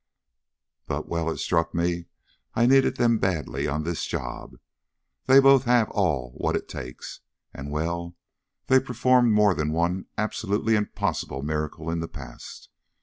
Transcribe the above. But well, it struck me I needed them badly on this job. They both have all what it takes, and well, they performed more than one absolutely impossible miracle in the past.